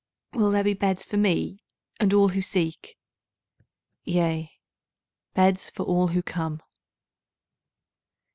Will there be beds for me and all who seek? Yea, beds for all who come.